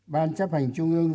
ban chấp hành trung ương